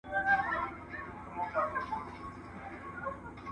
یوازې په ظاهري بڼه قضاوت مه کوئ.